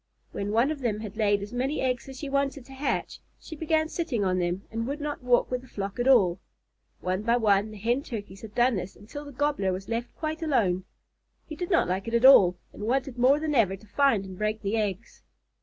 When one of them had laid as many eggs as she wanted to hatch, she began sitting on them, and would not walk with the flock at all. One by one the Hen Turkeys had done this until the Gobbler was left quite alone. He did not like it at all, and wanted more than ever to find and break the eggs.